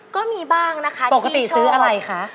ก็มีบ้างนะคะปกติซื้ออะไรคะ